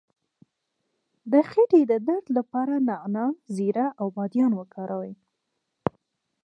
د خیټې د درد لپاره نعناع، زیره او بادیان وکاروئ